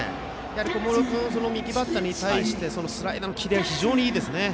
小室君、右バッターに対してスライダーのキレが非常にいいですね。